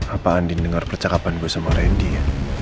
apa andin dengar percakapan gue sama randy ya